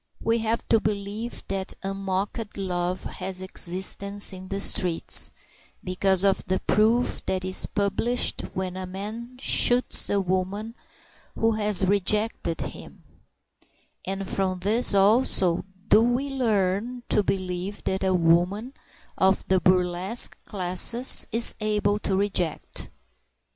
We have to believe that unmocked love has existence in the streets, because of the proof that is published when a man shoots a woman who has rejected him; and from this also do we learn to believe that a woman of the burlesque classes is able to reject.